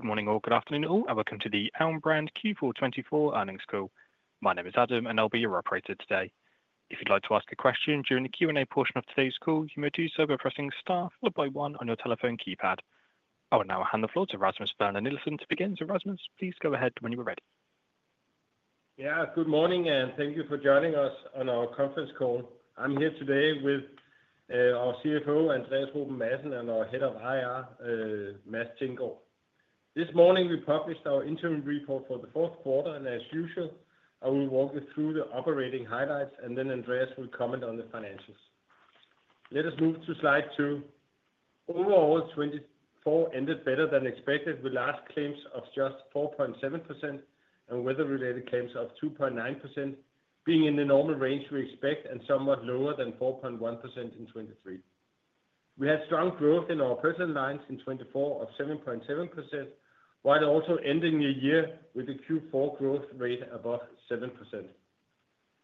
Good morning or good afternoon all, and welcome to the Alm. Brand Q4 2024 earnings call. My name is Adam, and I'll be your operator today. If you'd like to ask a question during the Q&A portion of today's call, you may do so by pressing star followed by one on your telephone keypad. I will now hand the floor to Rasmus Werner Nielsen to begin. So, Rasmus, please go ahead when you are ready. Yeah, good morning, and thank you for joining us on our conference call. I'm here today with our CFO, Andreas Ruben Madsen, and our head of IR, Mads Thinggaard. This morning, we published our interim report for the fourth quarter, and as usual, I will walk you through the operating highlights, and then Andreas will comment on the financials. Let us move to slide two. Overall, 2024 ended better than expected with large claims of just 4.7% and weather-related claims of 2.9% being in the normal range we expect and somewhat lower than 4.1% in 2023. We had strong growth in our Personal Lines in 2024 of 7.7%, while also ending the year with a Q4 growth rate above 7%.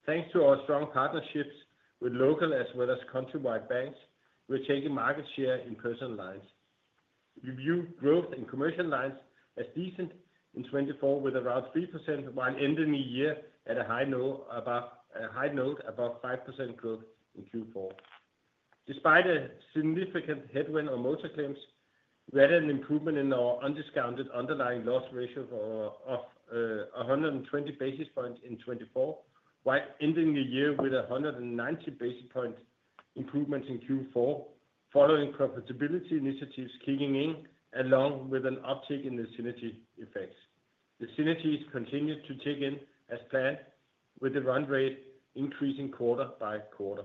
Thanks to our strong partnerships with local as well as countrywide banks, we're taking market share in Personal Lines. We view growth in Commercial Lines as decent in 2024 with around 3%, while ending the year at a high note above 5% growth in Q4. Despite a significant headwind on motor claims, we had an improvement in our undiscounted underlying loss ratio of 120 basis points in 2024, while ending the year with 190 basis point improvements in Q4 following profitability initiatives kicking in along with an uptick in the synergy effects. The synergies continued to tick in as planned, with the run rate increasing quarter by quarter.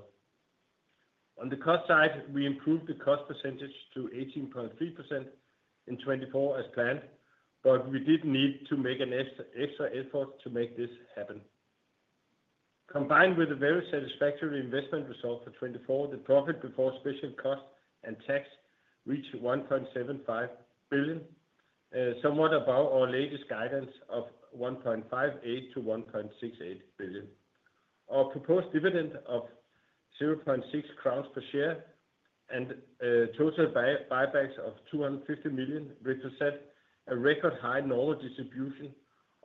On the cost side, we improved the cost percentage to 18.3% in 2024 as planned, but we did need to make an extra effort to make this happen. Combined with a very satisfactory investment result for 2024, the profit before special cost and tax reached 1.75 billion, somewhat above our latest guidance of 1.58-1.68 billion. Our proposed dividend of 0.6 crowns per share and total buybacks of 250 million represent a record high normal distribution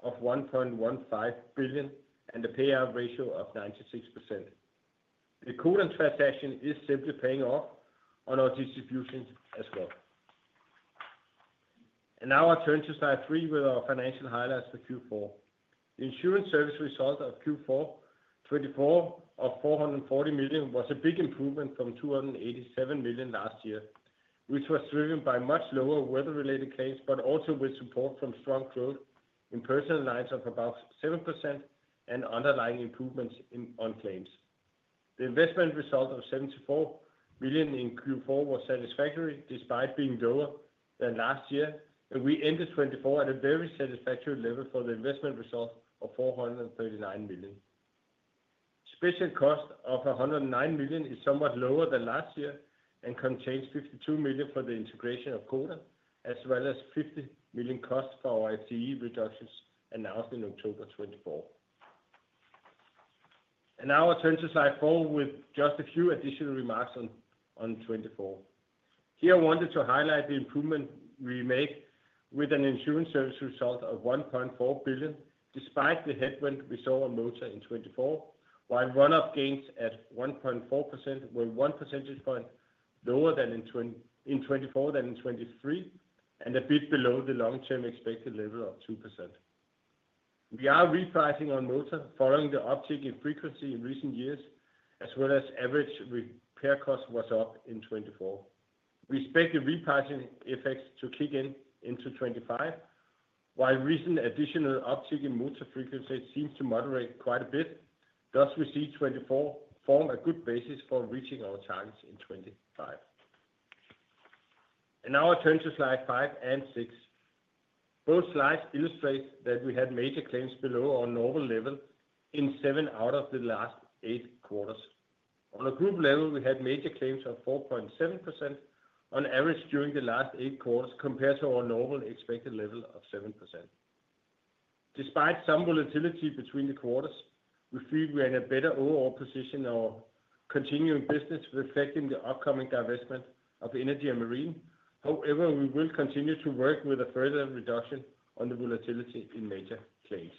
of 1.15 billion and a payout ratio of 96%. The Codan transaction is simply paying off on our distributions as well. Now I'll turn to slide three with our financial highlights for Q4. The insurance service result of Q4 2024 of 440 million was a big improvement from 287 million last year, which was driven by much lower weather-related claims, but also with support from strong growth in Personal Lines of about 7% and underlying improvements on claims. The investment result of 74 million in Q4 was satisfactory despite being lower than last year, and we ended 2024 at a very satisfactory level for the investment result of 439 million. Special costs of 109 million are somewhat lower than last year and contain 52 million for the integration of Codan, as well as 50 million in costs for our FTE reductions announced in October 2024, and now I'll turn to slide four with just a few additional remarks on 2024. Here, I wanted to highlight the improvement we made with an insurance service result of 1.4 billion despite the headwind we saw on motor in 2024, while run-off gains at 1.4% were 1 percentage point lower in 2024 than in 2023 and a bit below the long-term expected level of 2%. We are repricing on motor following the uptick in frequency in recent years, as well as average repair cost was up in 2024. We expect the repricing effects to kick in into 2025, while recent additional uptick in motor frequency seems to moderate quite a bit. Thus, we see 2024 form a good basis for reaching our targets in 2025. Now I'll turn to slide five and six. Both slides illustrate that we had major claims below our normal level in seven out of the last eight quarters. On a group level, we had major claims of 4.7% on average during the last eight quarters compared to our normal expected level of 7%. Despite some volatility between the quarters, we feel we are in a better overall position. Our continuing business is reflecting the upcoming divestment of Energy and Marine. However, we will continue to work with a further reduction on the volatility in major claims.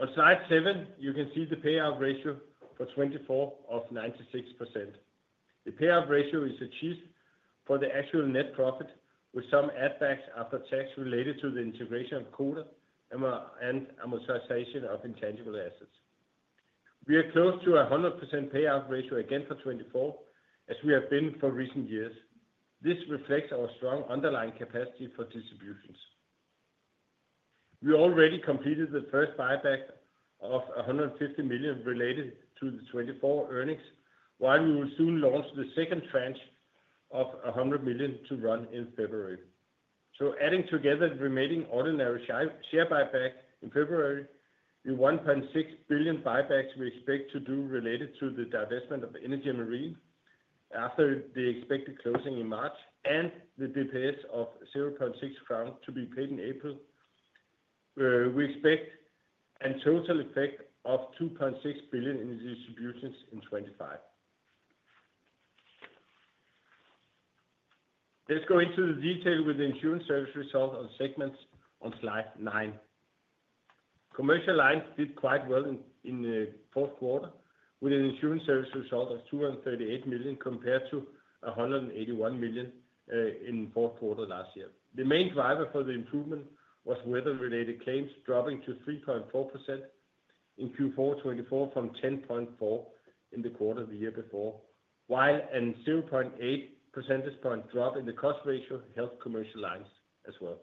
On slide seven, you can see the payout ratio for 2024 of 96%. The payout ratio is achieved for the actual net profit with some add-backs after tax related to the integration of Codan and amortization of intangible assets. We are close to a 100% payout ratio again for 2024, as we have been for recent years. This reflects our strong underlying capacity for distributions. We already completed the first buyback of 150 million related to the 2024 earnings, while we will soon launch the second tranche of 100 million to run in February. So, adding together the remaining ordinary share buyback in February with 1.6 billion buybacks we expect to do related to the divestment of Energy and Marine after the expected closing in March and the DPS of 0.6 crowns to be paid in April, we expect a total effect of 2.6 billion in distributions in 2025. Let's go into the detail with the insurance service result on segments on slide nine. Commercial Lines did quite well in the fourth quarter with an insurance service result of 238 million compared to 181 million in fourth quarter last year. The main driver for the improvement was weather-related claims dropping to 3.4% in Q4 2024 from 10.4% in the quarter the year before, while a 0.8 percentage point drop in the cost ratio helped Commercial Lines as well.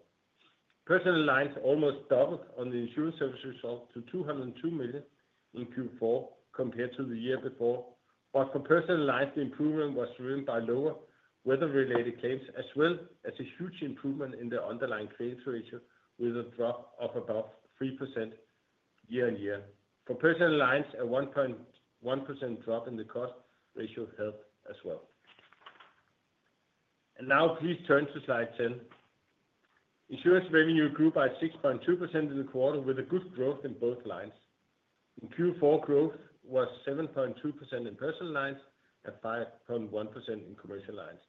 Personal Lines almost doubled on the insurance service result to 202 million in Q4 compared to the year before, but for Personal Lines, the improvement was driven by lower weather-related claims as well as a huge improvement in the underlying claims ratio with a drop of about 3% year on year. For Personal Lines, a 1.1% drop in the cost ratio helped as well. And now, please turn to slide 10. Insurance revenue grew by 6.2% in the quarter with a good growth in both lines. In Q4, growth was 7.2% in Personal Lines and 5.1% in Commercial Lines.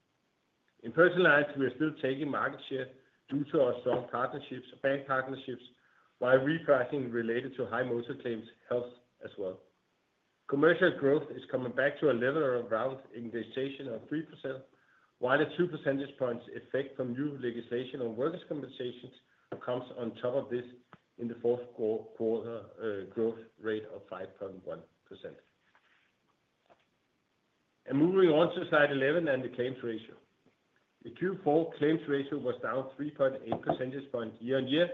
In Personal Lines, we are still taking market share due to our strong partnerships, bank partnerships, while repricing related to high motor claims helps as well. Commercial growth is coming back to a level around inflation of 3%, while a 2 percentage point effect from new legislation on workers' compensation comes on top of this in the fourth quarter growth rate of 5.1%. And moving on to slide 11 and the claims ratio. The Q4 claims ratio was down 3.8 percentage points year on year,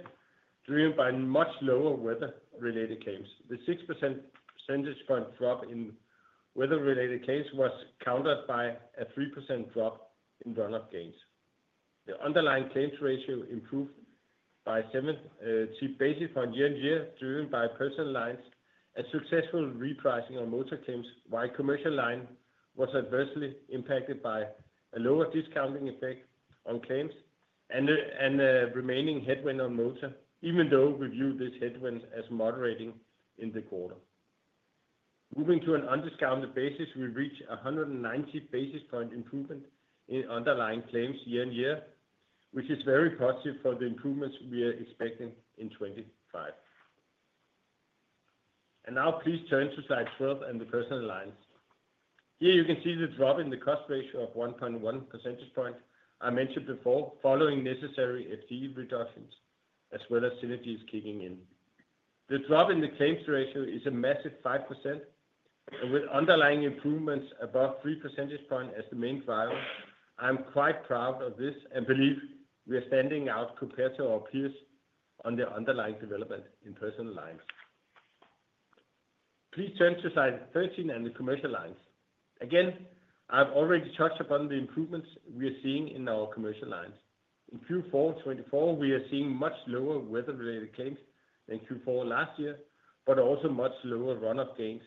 driven by much lower weather-related claims. The 6 percentage point drop in weather-related claims was countered by a 3% drop in run-off gains. The underlying claims ratio improved by seven basis points year on year, driven by Personal Lines and successful repricing on motor claims, while Commercial Lines was adversely impacted by a lower discounting effect on claims and remaining headwind on motor, even though we viewed this headwind as moderating in the quarter. Moving to an undiscounted basis, we reached 190 basis points improvement in underlying claims year on year, which is very positive for the improvements we are expecting in 2025. And now, please turn to slide 12 and the Personal Lines. Here, you can see the drop in the cost ratio of 1.1 percentage point I mentioned before, following necessary FTE reductions as well as synergies kicking in. The drop in the claims ratio is a massive 5%, and with underlying improvements above 3 percentage points as the main driver, I'm quite proud of this and believe we are standing out compared to our peers on the underlying development in Personal Lines. Please turn to slide 13 and the Commercial Lines. Again, I've already touched upon the improvements we are seeing in our Commercial Lines. In Q4 2024, we are seeing much lower weather-related claims than Q4 last year, but also much lower run-off gains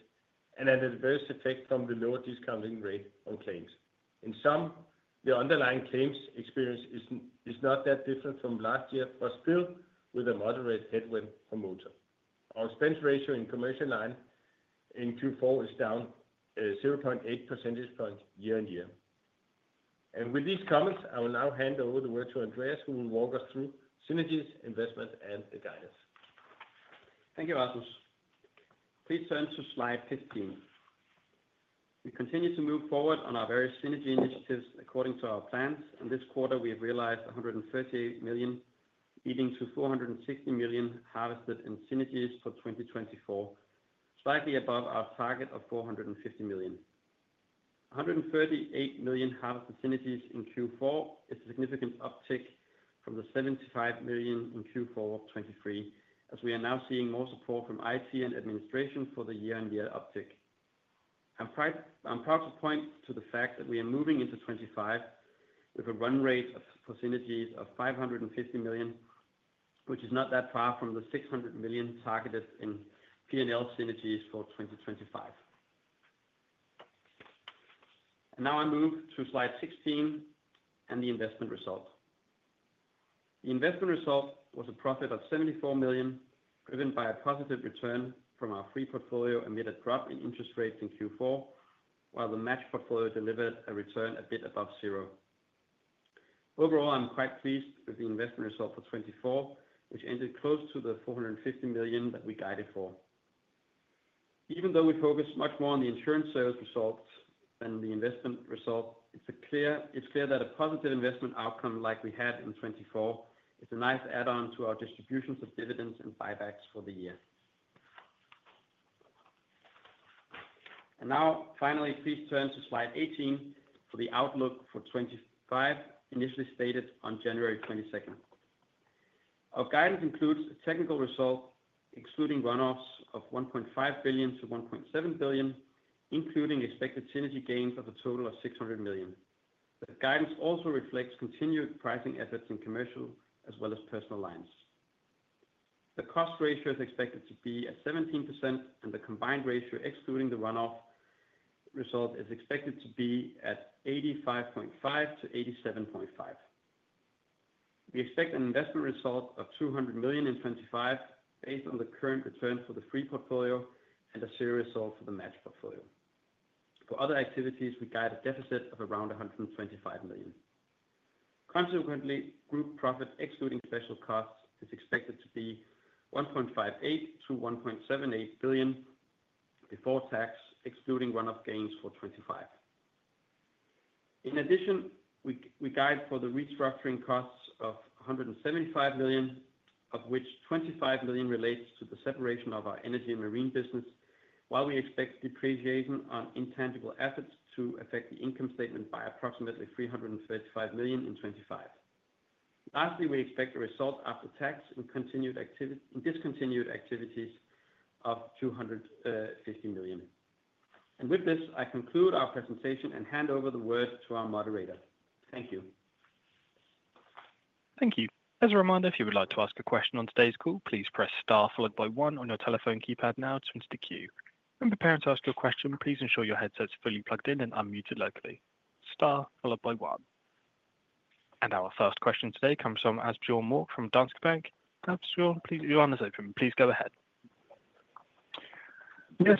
and an adverse effect from the lower discounting rate on claims. In sum, the underlying claims experience is not that different from last year, but still with a moderate headwind for motor. Our expense ratio in Commercial Lines in Q4 is down 0.8 percentage points year on year. With these comments, I will now hand over the word to Andreas, who will walk us through synergies, investments, and the guidance. Thank you, Rasmus. Please turn to slide 15. We continue to move forward on our various synergy initiatives according to our plans, and this quarter, we have realized 138 million, leading to 460 million harvested in synergies for 2024, slightly above our target of 450 million. 138 million harvested synergies in Q4 is a significant uptick from the 75 million in Q4 2023, as we are now seeing more support from IT and administration for the year-on-year uptick. I'm proud to point to the fact that we are moving into 2025 with a run rate for synergies of 550 million, which is not that far from the 600 million targeted in P&L synergies for 2025. And now I move to slide 16 and the investment result. The investment result was a profit of 74 million, driven by a positive return from our free portfolio amid a drop in interest rates in Q4, while the match portfolio delivered a return a bit above zero. Overall, I'm quite pleased with the investment result for 2024, which ended close to the 450 million that we guided for. Even though we focus much more on the insurance sales results than the investment result, it's clear that a positive investment outcome like we had in 2024 is a nice add-on to our distributions of dividends and buybacks for the year. And now, finally, please turn to slide 18 for the outlook for 2025, initially stated on January 22nd. Our guidance includes a technical result excluding run-offs of 1.5 billion-1.7 billion, including expected synergy gains of a total of 600 million. The guidance also reflects continued pricing efforts in commercial as well as Personal Lines. The cost ratio is expected to be at 17%, and the combined ratio excluding the run-off result is expected to be at 85.5%-87.5%. We expect an investment result of 200 million in 2025 based on the current return for the free portfolio and a zero result for the match portfolio. For other activities, we guide a deficit of around 125 million. Consequently, group profit excluding special costs is expected to be 1.58-1.78 billion before tax, excluding run-off gains for 2025. In addition, we guide for the restructuring costs of 175 million, of which 25 million relates to the separation of our Energy and Marine business, while we expect depreciation on intangible assets to affect the income statement by approximately 335 million in 2025. Lastly, we expect a result after tax in discontinued activities of 250 million. And with this, I conclude our presentation and hand over the word to our moderator. Thank you. Thank you. As a reminder, if you would like to ask a question on today's call, please press star followed by one on your telephone keypad now to enter the queue. When preparing to ask your question, please ensure your headset is fully plugged in and unmuted locally. Star followed by one. And our first question today comes from Asbjørn Mørk from Danske Bank. Asbjørn, please, your line is open. Please go ahead. Yes,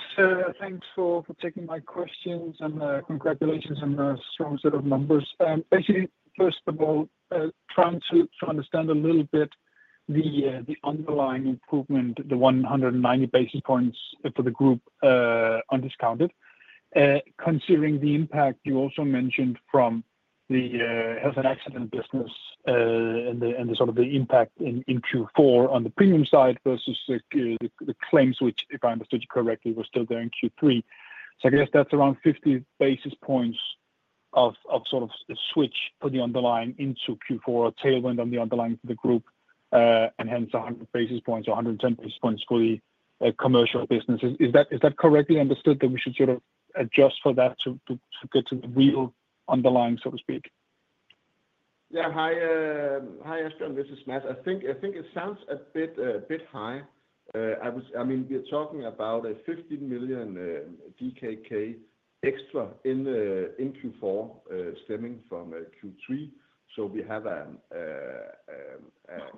thanks for taking my questions and congratulations on a strong set of numbers. Basically, first of all, trying to understand a little bit the underlying improvement, the 190 basis points for the group undiscounted, considering the impact you also mentioned from the health and accident business and the sort of the impact in Q4 on the premium side versus the claims, which, if I understood you correctly, were still there in Q3. So I guess that's around 50 basis points of sort of a switch for the underlying into Q4, a tailwind on the underlying for the group, and hence 100 basis points or 110 basis points for the Commercial business. Is that correctly understood that we should sort of adjust for that to get to the real underlying, so to speak? Yeah, hi, Asbjørn. This is Mads. I think it sounds a bit high. I mean, we're talking about 15 million DKK extra in Q4 stemming from Q3. So we have a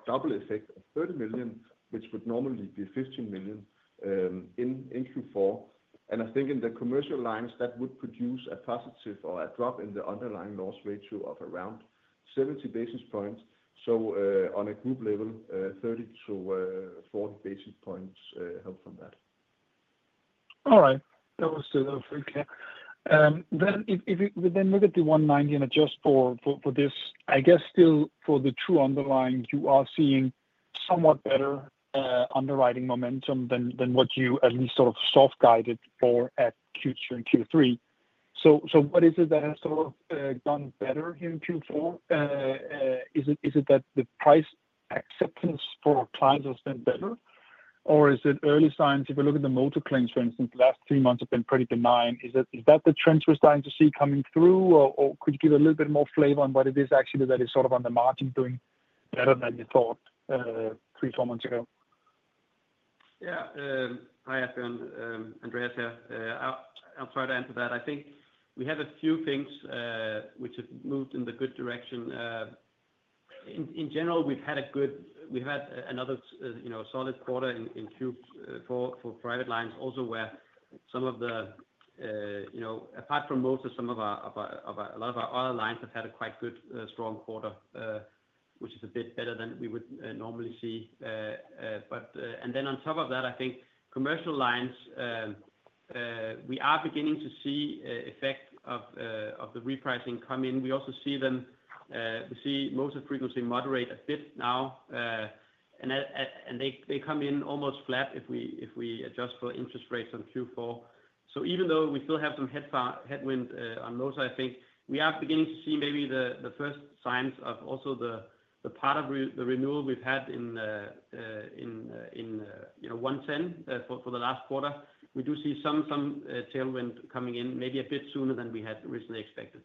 double effect of 30 million, which would normally be 15 million in Q4. And I think in the Commercial Lines, that would produce a positive or a drop in the underlying loss ratio of around 70 basis points. So on a group level, 30 to 40 basis points help from that. All right. That was a fair comparison. Then if we then look at the 190 and adjust for this, I guess still for the true underlying, you are seeing somewhat better underwriting momentum than what you at least sort of soft-guided for at Q2 and Q3. So what is it that has sort of gone better here in Q4? Is it that the price acceptance for clients has been better, or is it early signs? If we look at the motor claims, for instance, the last three months have been pretty benign. Is that the trends we're starting to see coming through, or could you give a little bit more flavor on what it is actually that is sort of on the margin doing better than you thought three, four months ago? Yeah, hi, Asbjørn. Andreas here. I'll try to answer that. I think we have a few things which have moved in the good direction. In general, we've had another solid quarter in Q4 for Personal Lines also where some of the, apart from motor, a lot of our other lines have had a quite good, strong quarter, which is a bit better than we would normally see. And then on top of that, I think Commercial Lines, we are beginning to see the effect of the repricing come in. We also see them. We see motor frequency moderate a bit now, and they come in almost flat if we adjust for interest rates on Q4. Even though we still have some headwind on motor, I think we are beginning to see maybe the first signs of also the part of the renewal we've had in 110 for the last quarter. We do see some tailwind coming in maybe a bit sooner than we had originally expected.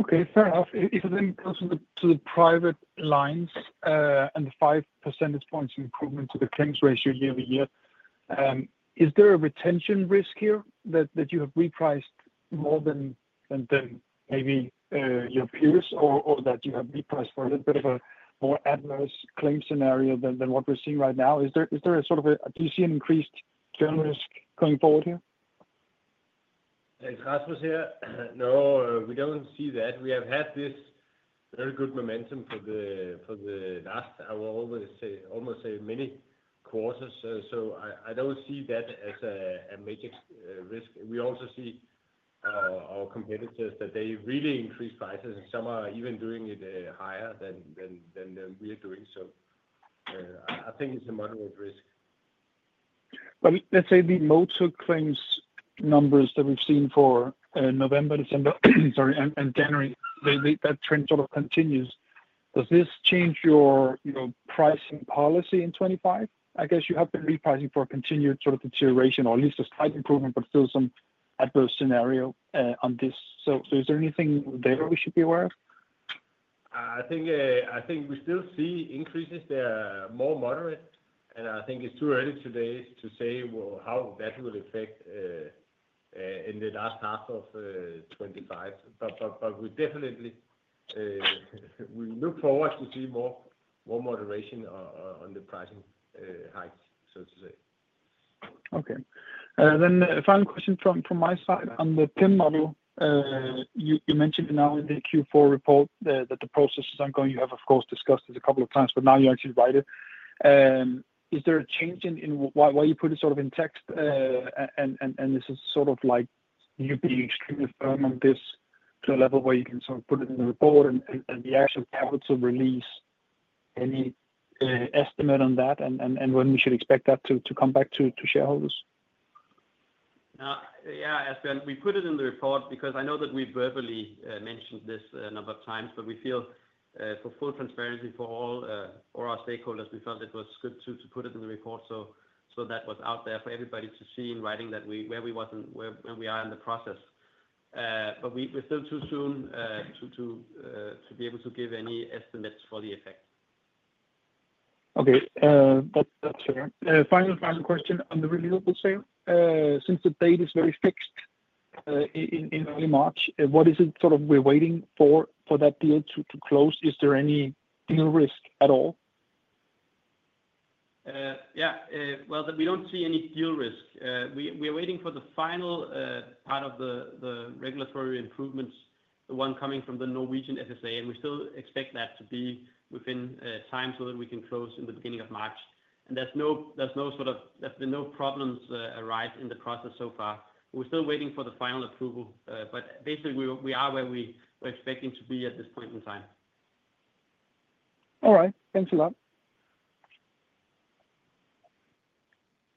Okay, fair enough. If it then comes to the private lines and the five percentage points improvement to the claims ratio year over year, is there a retention risk here that you have repriced more than maybe your peers or that you have repriced for a little bit of a more adverse claim scenario than what we're seeing right now? Is there a sort of a do you see an increased turn risk going forward here? It's Rasmus here, no, we don't see that. We have had this very good momentum for the last, I will almost say, many quarters. So I don't see that as a major risk. We also see our competitors that they really increase prices, and some are even doing it higher than we are doing. So I think it's a moderate risk. Let's say the motor claims numbers that we've seen for November, December, sorry, and January, that trend sort of continues. Does this change your pricing policy in 2025? I guess you have been repricing for continued sort of deterioration or at least a slight improvement, but still some adverse scenario on this. So is there anything there we should be aware of? I think we still see increases. They're more moderate, and I think it's too early today to say how that will affect in the last half of 2025. But we definitely look forward to seeing more moderation on the pricing hikes, so to say. Okay. Then final question from my side on the PIM model. You mentioned now in the Q4 report that the process is ongoing. You have, of course, discussed it a couple of times, but now you actually write it. Is there a change in why you put it sort of in text? And this is sort of like you being extremely firm on this to a level where you can sort of put it in the report and be actually able to release any estimate on that and when we should expect that to come back to shareholders? Yeah, Asbjorn, we put it in the report because I know that we verbally mentioned this a number of times, but we feel, for full transparency for all our stakeholders, we felt it was good to put it in the report so that was out there for everybody to see in writing where we are in the process. But we're still too soon to be able to give any estimates for the effect. Okay, that's fair. Final question on the renewable sale. Since the date is very fixed in early March, what is it sort of we're waiting for that deal to close? Is there any deal risk at all? Yeah, well, we don't see any deal risk. We are waiting for the final part of the regulatory approvals, the one coming from the Norwegian FSA, and we still expect that to be within time so that we can close in the beginning of March. And there's been no problems arise in the process so far. We're still waiting for the final approval, but basically, we are where we're expecting to be at this point in time. All right. Thanks a lot.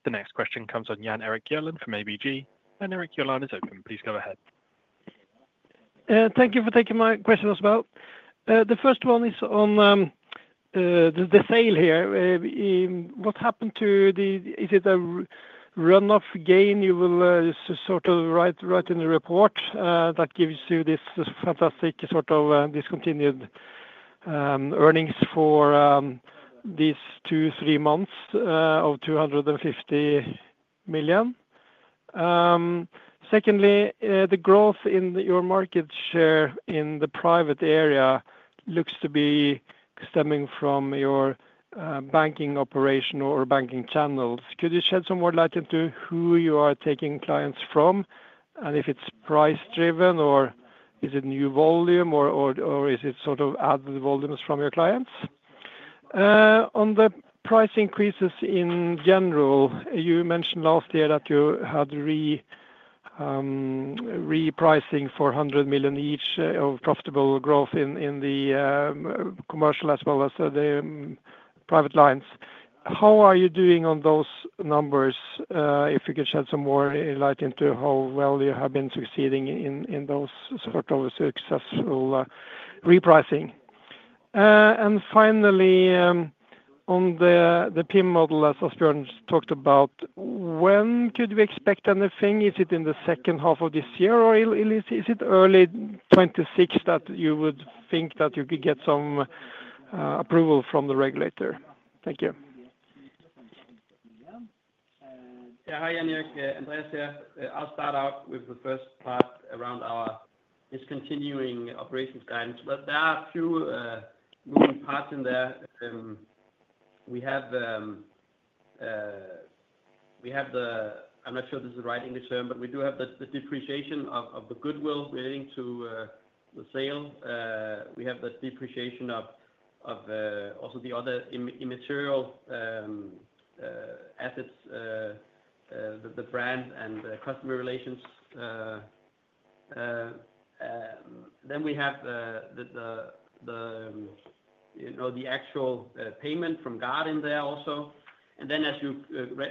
The next question comes from Jan Erik Gjerland from ABG. Jan Erik, your line is open. Please go ahead. Thank you for taking my question as well. The first one is on the sale here. What happened to the is it a run-off gain you will sort of write in the report that gives you this fantastic sort of discontinued earnings for these two, three months of 250 million? Secondly, the growth in your market share in the private area looks to be stemming from your banking operation or banking channels. Could you shed some more light into who you are taking clients from? And if it's price-driven, or is it new volume, or is it sort of added volumes from your clients? On the price increases in general, you mentioned last year that you had repricing for 100 million each of profitable growth in the Commercial as well as the private lines. How are you doing on those numbers? If you could shed some more light into how well you have been succeeding in those sort of successful repricing. And finally, on the PIM model, as Asbjørn talked about, when could we expect anything? Is it in the second half of this year, or is it early 2026 that you would think that you could get some approval from the regulator? Thank you. Yeah, hi, Jan Erik. Andreas here. I'll start out with the first part around our discontinuing operations guidance. There are a few moving parts in there. We have the—I'm not sure this is the right English term, but we do have the depreciation of the goodwill relating to the sale. We have the depreciation of also the other intangible assets, the brand and customer relations. Then we have the actual payment from Gard in there also. And then, as you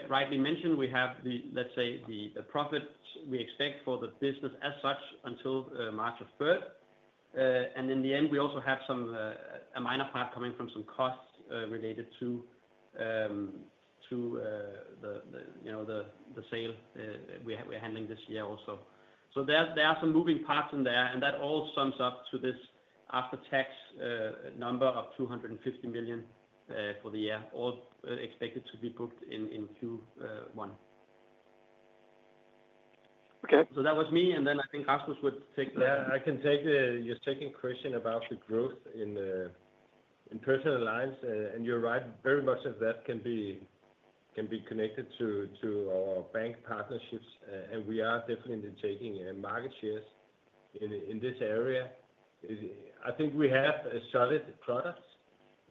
rightly mentioned, we have, let's say, the profits we expect for the business as such until March 3rd. And in the end, we also have a minor part coming from some costs related to the sale we're handling this year also. So there are some moving parts in there, and that all sums up to this after-tax number of 250 million for the year, all expected to be booked in Q1. So that was me, and then I think Rasmus would take the. Yeah, I can take your second question about the growth in Personal Lines, and you're right. Very much of that can be connected to our bank partnerships, and we are definitely taking market shares in this area. I think we have solid products.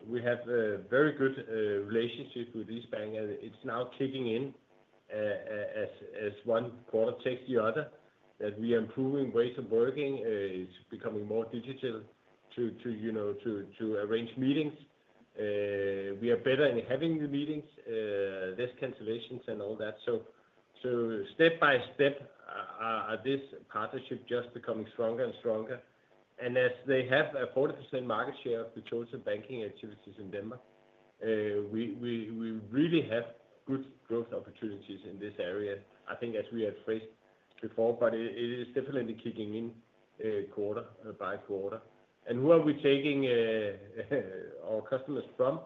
We have a very good relationship with Jyske Bank, and it's now kicking in as one quarter takes the other, that we are improving ways of working. It's becoming more digital to arrange meetings. We are better in having the meetings, less cancellations, and all that, so step by step, this partnership is just becoming stronger and stronger, and as they have a 40% market share of the total banking activities in Denmark, we really have good growth opportunities in this area, I think, as we had phrased before, but it is definitely kicking in quarter by quarter, and who are we taking our customers from?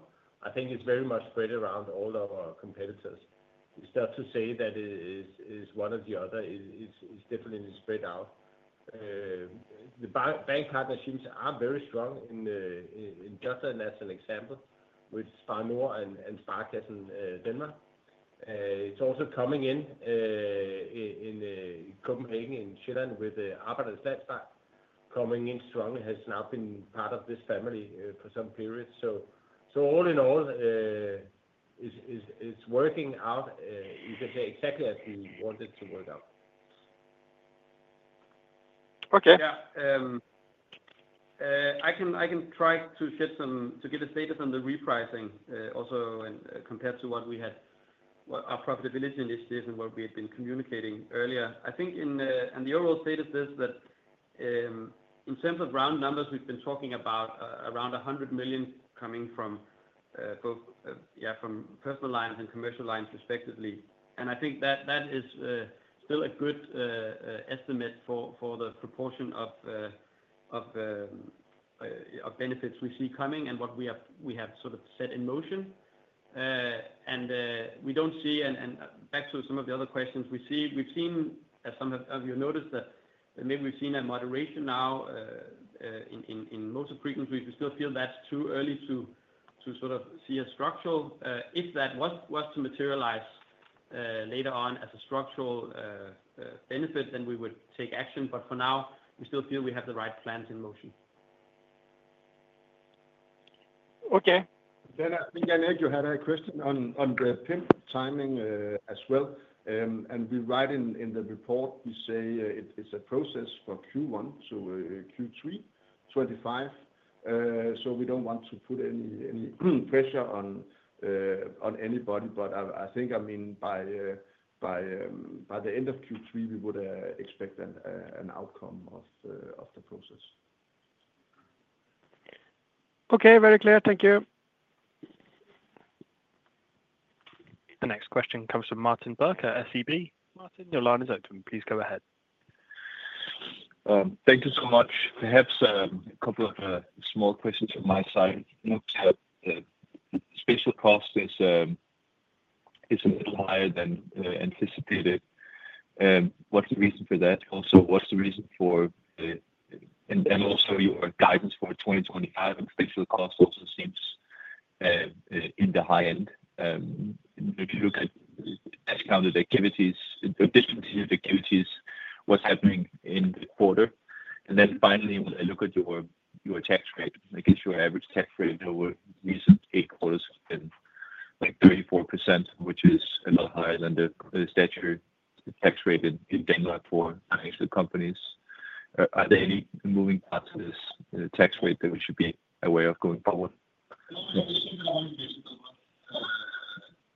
I think it's very much spread around all of our competitors. It's not to say that it is one or the other. It's definitely spread out. The bank partnerships are very strong in Jutland, as an example, with Spar Nord and Sparekassen Danmark. It's also coming in in Copenhagen and in Zealand with Arbejdernes Landsbank. Coming in strongly has now been part of this family for some period. So all in all, it's working out. You can say exactly as we want it to work out. Okay. Yeah. I can try to get a status on the repricing also compared to what we had, our profitability initiatives and what we had been communicating earlier. I think in the overall state of this, that in terms of round numbers, we've been talking about around 100 million coming from both, yeah, from Personal Lines and Commercial Lines respectively. And I think that is still a good estimate for the proportion of benefits we see coming and what we have sort of set in motion. And we don't see, and back to some of the other questions, we've seen, as some of you noticed, that maybe we've seen a moderation now in motor frequencies. We still feel that's too early to sort of see a structural. If that was to materialize later on as a structural benefit, then we would take action. But for now, we still feel we have the right plans in motion. Okay. Then I think Jan Erik, you had a question on the PIM timing as well. And we write in the report, we say it's a process for Q1 to Q3 2025. So we don't want to put any pressure on anybody, but I think, I mean, by the end of Q3, we would expect an outcome of the process. Okay, very clear. Thank you. The next question comes from Martin Birk, SEB. Martin, your line is open. Please go ahead. Thank you so much. Perhaps a couple of small questions from my side. The special cost is a little higher than anticipated. What's the reason for that? Also, what's the reason for that, and also your guidance for 2025 and special cost also seems in the high end? If you look at discontinued activities, additional activities, what's happening in the quarter? And then finally, when I look at your tax rate, I guess your average tax rate over recent eight quarters has been like 34%, which is a lot higher than the statutory tax rate in Denmark for financial companies. Are there any moving parts to this tax rate that we should be aware of going forward?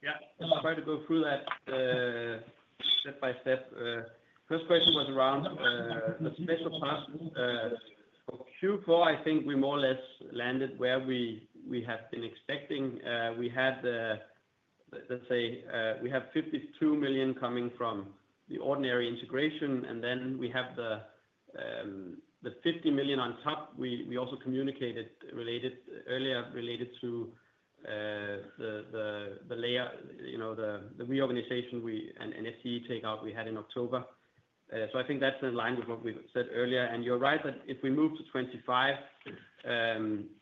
Yeah, I'm about to go through that step by step. First question was around the special cost. For Q4, I think we more or less landed where we have been expecting. We had, let's say, we have 52 million coming from the ordinary integration, and then we have the 50 million on top. We also communicated earlier related to the layoff, the reorganization and SEE takeout we had in October. So I think that's in line with what we said earlier. And you're right that if we move to 2025,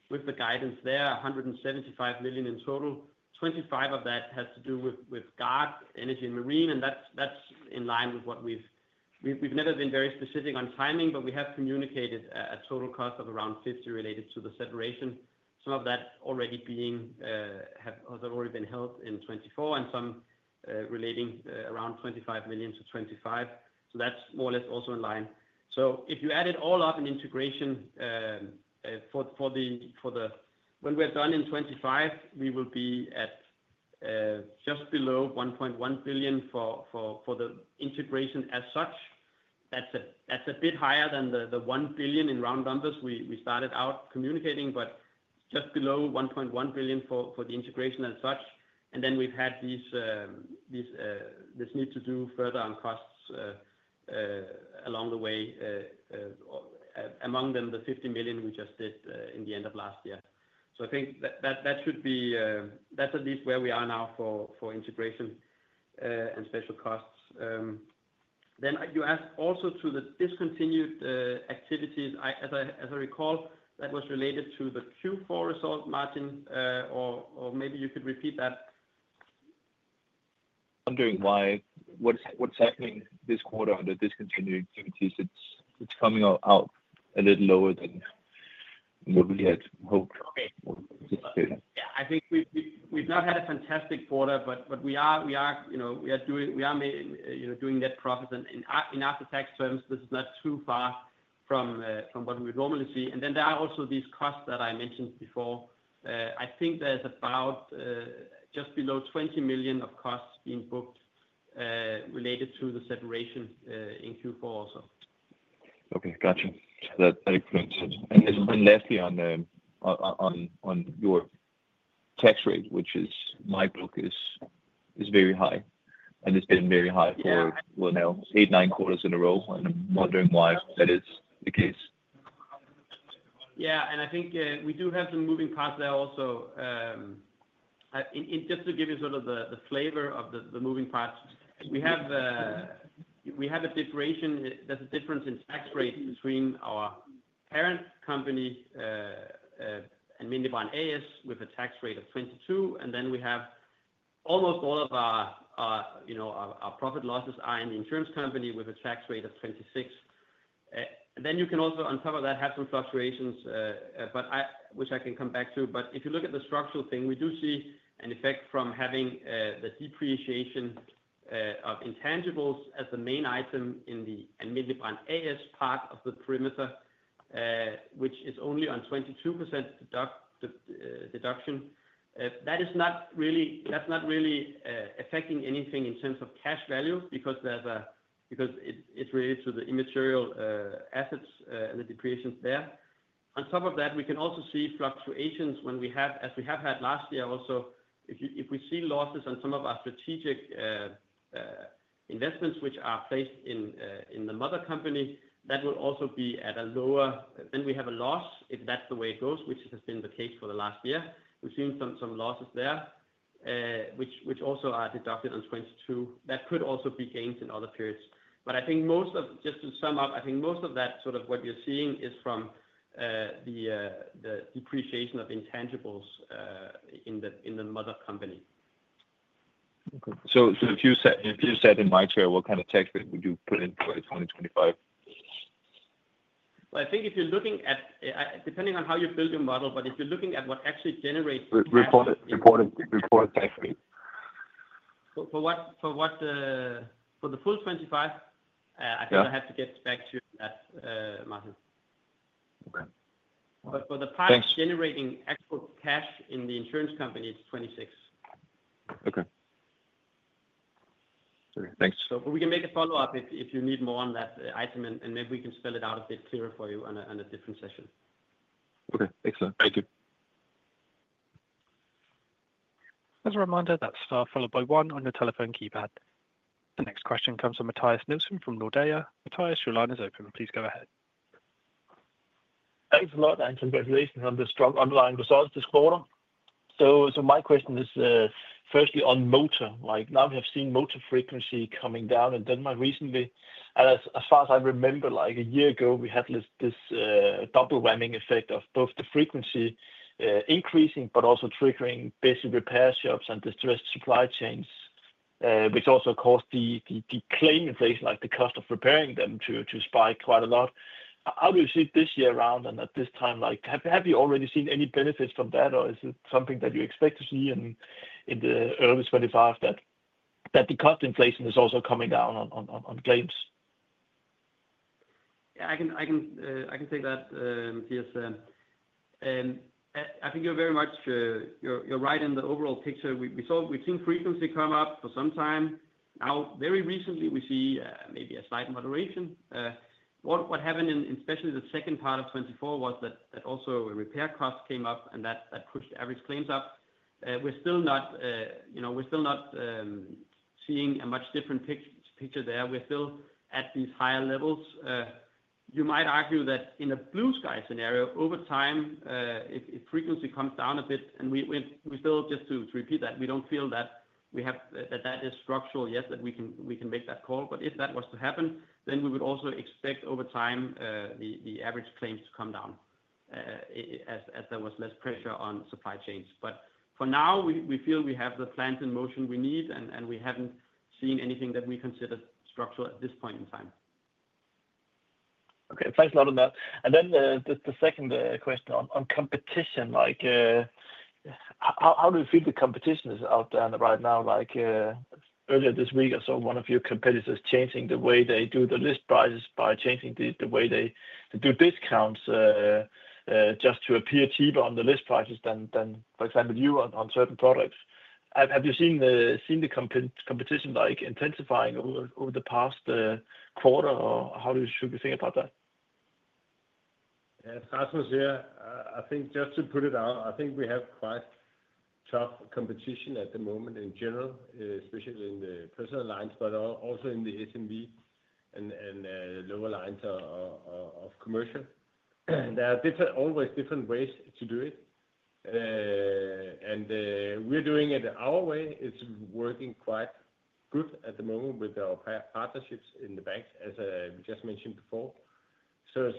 with the guidance there, 175 million in total, 25 million of that has to do with Gard, Energy and Marine, and that's in line with what we've never been very specific on timing, but we have communicated a total cost of around 50 million related to the separation. Some of that has already been held in 2024, and some relating around 25 million to 2025. So that's more or less also in line. So if you add it all up in the integration when we're done in 2025, we will be at just below 1.1 billion for the integration as such. That's a bit higher than the 1 billion in round numbers we started out communicating, but just below 1.1 billion for the integration as such. And then we've had this need to do further on costs along the way, among them the 50 million we just did in the end of last year. So I think that's at least where we are now for integration and special costs. Then you asked also to the discontinued activities, as I recall, that was related to the Q4 result, Martin, or maybe you could repeat that. I'm wondering why what's happening this quarter on the discontinued activities. It's coming out a little lower than what we had hoped. Yeah, I think we've not had a fantastic quarter, but we are doing that process. In after-tax terms, this is not too far from what we would normally see. And then there are also these costs that I mentioned before. I think there's about just below 20 million of costs being booked related to the separation in Q4 also. Okay, gotcha. That explains it. And lastly, on your tax rate, which, in my book, is very high, and it's been very high for, well, now eight, nine quarters in a row, and I'm wondering why that is the case. Yeah, and I think we do have some moving parts there also. Just to give you sort of the flavor of the moving parts, we have a difference in tax rates between our parent company and Alm. Brand A/S with a tax rate of 22%, and then we have almost all of our profits and losses are in the insurance company with a tax rate of 26%. Then you can also, on top of that, have some fluctuations, which I can come back to. But if you look at the structural thing, we do see an effect from having the depreciation of intangibles as the main item in the Alm. Brand A/S part of the perimeter, which is only on 22% deduction. That is not really affecting anything in terms of cash value because it's related to the intangible assets and the depreciation there. On top of that, we can also see fluctuations when we have, as we have had last year also. If we see losses on some of our strategic investments, which are placed in the mother company, that will also be at a lower then we have a loss if that's the way it goes, which has been the case for the last year. We've seen some losses there, which also are deducted on 22. That could also be gained in other periods. But just to sum up, I think most of that sort of what you're seeing is from the depreciation of intangibles in the mother company. Okay. So if you sat in my chair, what kind of tax rate would you put into 2025? I think if you're looking at depending on how you build your model, but if you're looking at what actually generates. Reported tax rate. For the full 25, I think I have to get back to you on that, Martin. Okay. Thanks. But for the part generating actual cash in the insurance company, it's 26. Okay. Thanks. So we can make a follow-up if you need more on that item, and maybe we can spell it out a bit clearer for you on a different session. Okay. Excellent. Thank you. As a reminder, that star followed by one on your telephone keypad. The next question comes from Mathias Nielsen from Nordea. Mathias, your line is open. Please go ahead. Thanks a lot, and congratulations on the strong underlying results this quarter. So my question is firstly on motor. Now we have seen motor frequency coming down in Denmark recently. As far as I remember, like a year ago, we had this double whammy effect of both the frequency increasing, but also triggering basic repair shops and distressed supply chains, which also caused the claim inflation, like the cost of repairing them, to spike quite a lot. How do you see it this year around? And at this time, have you already seen any benefits from that, or is it something that you expect to see in the early 2025 that the cost inflation is also coming down on claims? Yeah, I can take that, Mathias. I think you're very much you're right in the overall picture. We've seen frequency come up for some time. Now, very recently, we see maybe a slight moderation. What happened in especially the second part of 2024 was that also repair costs came up, and that pushed average claims up. We're still not seeing a much different picture there. We're still at these higher levels. You might argue that in a blue sky scenario, over time, if frequency comes down a bit, and we still, just to repeat that, we don't feel that that is structural yet that we can make that call, but if that was to happen, then we would also expect over time the average claims to come down as there was less pressure on supply chains. But for now, we feel we have the plans in motion we need, and we haven't seen anything that we consider structural at this point in time. Okay. Thanks a lot on that. And then the second question on competition, how do you feel the competition is out there right now? Earlier this week or so, one of your competitors changing the way they do the list prices by changing the way they do discounts just to appear cheaper on the list prices than, for example, you on certain products. Have you seen the competition intensifying over the past quarter, or how should we think about that? Yeah, I think just to put it out, I think we have quite tough competition at the moment in general, especially in the Personal Lines, but also in the SMB and lower lines of commercial. There are always different ways to do it, and we're doing it our way. It's working quite good at the moment with our partnerships in the banks, as we just mentioned before. So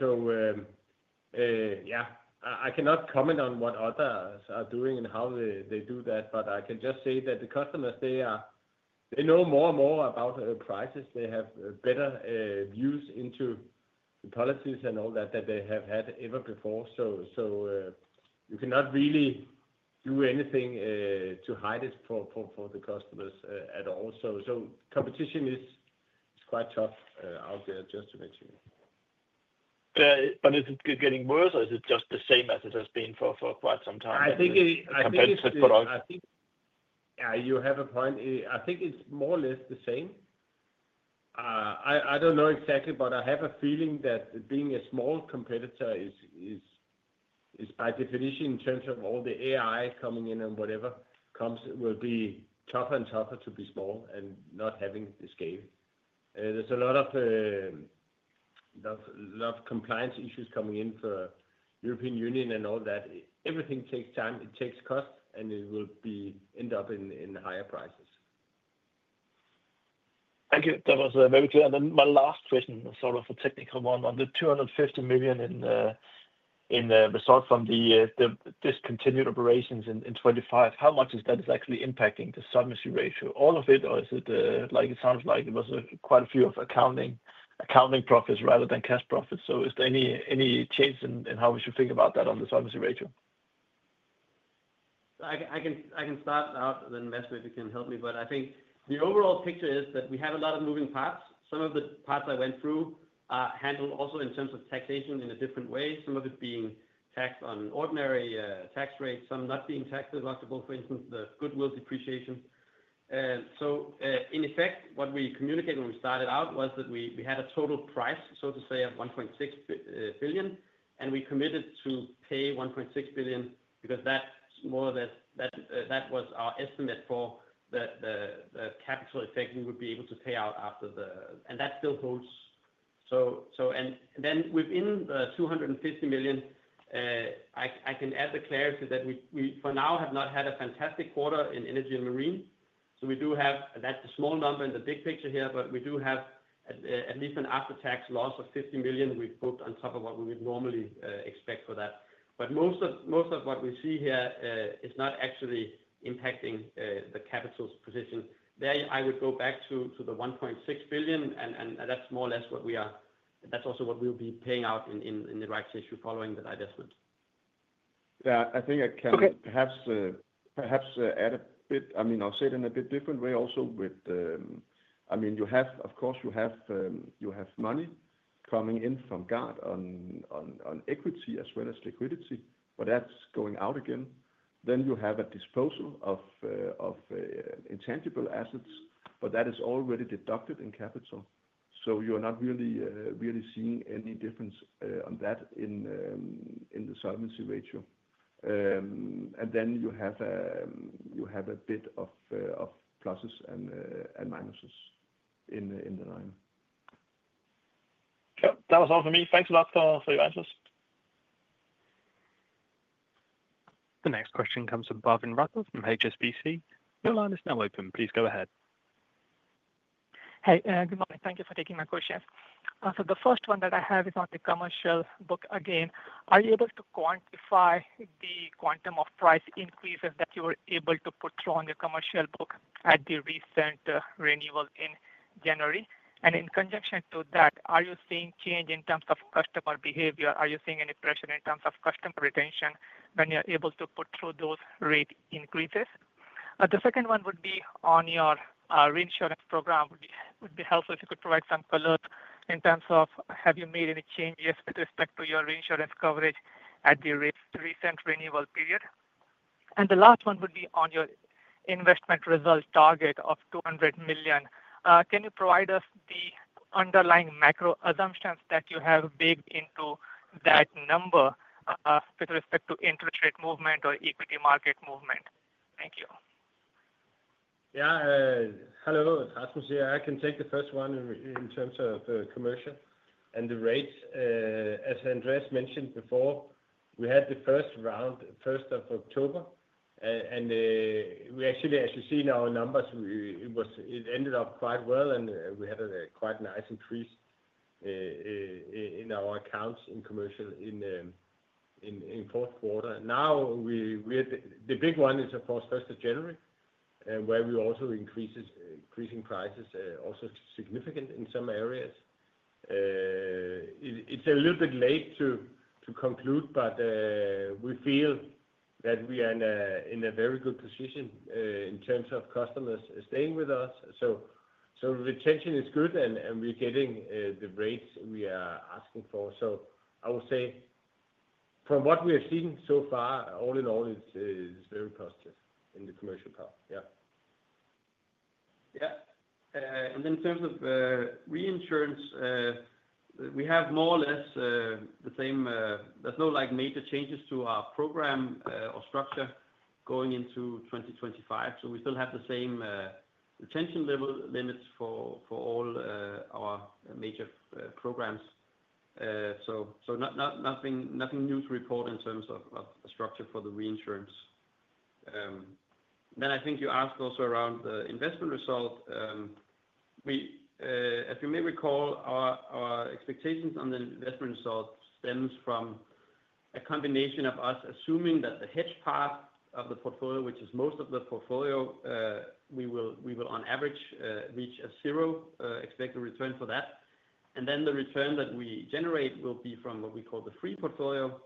yeah, I cannot comment on what others are doing and how they do that, but I can just say that the customers, they know more and more about prices. They have better views into the policies and all that that they have had ever before, so you cannot really do anything to hide it for the customers at all, so competition is quite tough out there, just to mention. But is it getting worse, or is it just the same as it has been for quite some time? I think it is. Competitive products? Yeah, you have a point. I think it's more or less the same. I don't know exactly, but I have a feeling that being a small competitor is, by definition, in terms of all the AI coming in and whatever, will be tougher and tougher to be small and not having the scale. There's a lot of compliance issues coming in for the European Union and all that. Everything takes time. It takes cost, and it will end up in higher prices. Thank you. That was very clear, and then my last question, sort of a technical one, on the 250 million in result from the discontinued operations in 2025, how much is that actually impacting the combined ratio? All of it, or is it like it sounds like it was quite a few of accounting profits rather than cash profits, so is there any change in how we should think about that on the combined ratio? I can start out, then that's where you can help me. But I think the overall picture is that we have a lot of moving parts. Some of the parts I went through are handled also in terms of taxation in a different way, some of it being taxed on ordinary tax rates, some not being taxed, for instance, the goodwill depreciation. So in effect, what we communicated when we started out was that we had a total price, so to say, of 1.6 billion, and we committed to pay 1.6 billion because that was our estimate for the capital effect we would be able to pay out after the and that still holds. And then within the 250 million, I can add the clarity that we for now have not had a fantastic quarter in Energy and Marine. So we do have, and that's a small number in the big picture here, but we do have at least an after-tax loss of 50 million we've booked on top of what we would normally expect for that. But most of what we see here is not actually impacting the capital position. There, I would go back to the 1.6 billion, and that's more or less what we are. That's also what we'll be paying out in the rights issue following that adjustment. Yeah, I think I can perhaps add a bit. I mean, I'll say it in a bit different way also. I mean, of course, you have money coming in from Gard on equity as well as liquidity, but that's going out again. Then you have a disposal of intangible assets, but that is already deducted in capital. So you're not really seeing any difference on that in the solvency ratio. And then you have a bit of pluses and minuses in the line. That was all for me. Thanks a lot for your answers. The next question comes from Marvin Russell from HSBC. Your line is now open. Please go ahead. Hey, good morning. Thank you for taking my call, CFO. So the first one that I have is on the Commercial book again. Are you able to quantify the quantum of price increases that you were able to put through on your Commercial book at the recent renewal in January? And in conjunction to that, are you seeing change in terms of customer behavior? Are you seeing any pressure in terms of customer retention when you are able to put through those rate increases? The second one would be on your reinsurance program. It would be helpful if you could provide some colors in terms of have you made any changes with respect to your reinsurance coverage at the recent renewal period? And the last one would be on your investment result target of 200 million. Can you provide us the underlying macro assumptions that you have baked into that number with respect to interest rate movement or equity market movement? Thank you. Yeah, hello, as I can take the first one in terms of Commercial and the rates. As Andreas mentioned before, we had the first round 1st of October, and we actually, as you see in our numbers, it ended up quite well, and we had a quite nice increase in our accounts in Commercial in fourth quarter. Now, the big one is, of course, 1st of January, where we also increasing prices also significant in some areas. It's a little bit late to conclude, but we feel that we are in a very good position in terms of customers staying with us. So retention is good, and we're getting the rates we are asking for. So I would say from what we have seen so far, all in all, it's very positive in the commercial part. Yeah. Yeah. And in terms of reinsurance, we have more or less the same. There's no major changes to our program or structure going into 2025. So we still have the same retention level limits for all our major programs. So nothing new to report in terms of structure for the reinsurance. Then I think you asked also around the investment result. As you may recall, our expectations on the investment result stems from a combination of us assuming that the hedge part of the portfolio, which is most of the portfolio, we will on average reach a zero expected return for that. And then the return that we generate will be from what we call the free portfolio.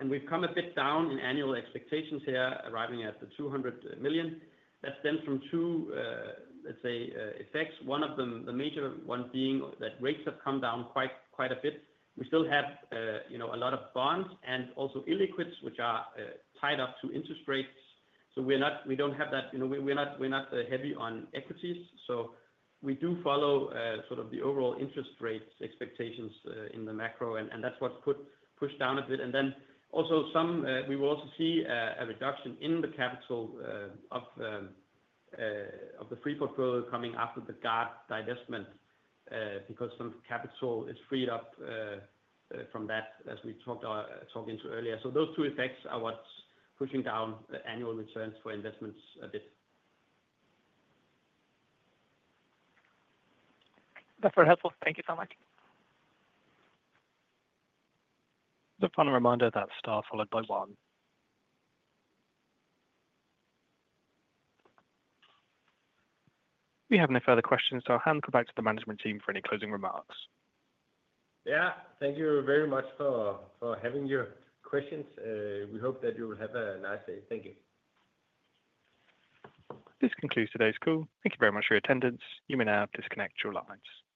And we've come a bit down in annual expectations here, arriving at the 200 million. That stems from two, let's say, effects. One of them, the major one being that rates have come down quite a bit. We still have a lot of bonds and also illiquids, which are tied up to interest rates. So we don't have that. We're not heavy on equities. So we do follow sort of the overall interest rates expectations in the macro, and that's what's pushed down a bit. And then also we will also see a reduction in the capital of the free portfolio coming after the Gard divestment because some capital is freed up from that, as we talked about earlier. So those two effects are what's pushing down annual returns for investments a bit. That's very helpful. Thank you so much. The final reminder, that star followed by one. We have no further questions, so I'll hand it back to the management team for any closing remarks. Yeah, thank you very much for having your questions. We hope that you will have a nice day. Thank you. This concludes today's call. Thank you very much for your attendance. You may now disconnect your lines.